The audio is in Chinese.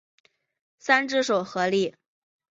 三只手合力。